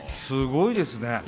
すごいですね。